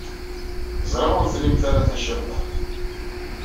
Ẓriɣ ur trimt ara tacirḍart.